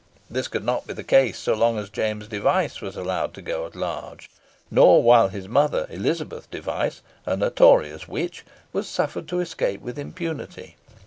This could not be the case so long as James Device was allowed to go at large; nor while his mother, Elizabeth Device, a notorious witch, was suffered to escape with impunity.